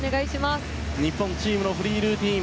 日本チームのフリールーティン。